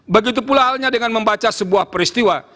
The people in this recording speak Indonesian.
begitu pula halnya dengan membaca sebuah peristiwa